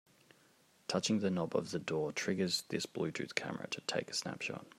Touching the knob of the door triggers this Bluetooth camera to take a snapshot.